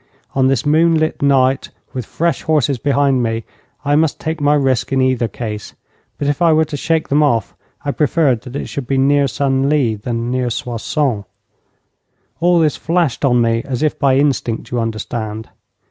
On this moonlit night, with fresh horses behind me, I must take my risk in either case; but if I were to shake them off, I preferred that it should be near Senlis than near Soissons. All this flashed on me as if by instinct, you understand.